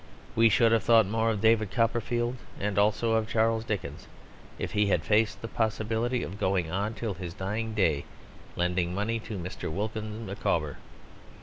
We should have thought more of David Copperfield (and also of Charles Dickens) if he had faced the possibility of going on till his dying day lending money to Mr. Wilkins Micawber.